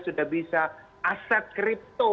sudah bisa aset kripto